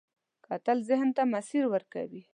کتل ذهن ته مسیر ورکوي